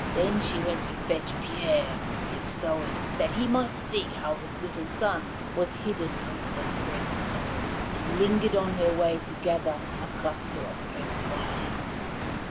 Then she went to fetch Pierre from his sowing that he might see how his little son was hidden under the spring snow, and lingered on her way to gather a cluster of purple violets.